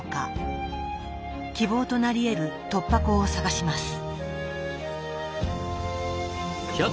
希望となりえる突破口を探します。